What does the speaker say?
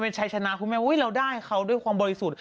เป็นชัยชนะคุณแม่เราได้เขาด้วยความบริสุทธิ์